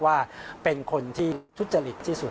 ว่าเป็นคนที่ทุจริตที่สุด